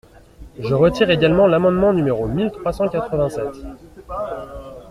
Je retire également l’amendement numéro mille trois cent quatre-vingt-sept.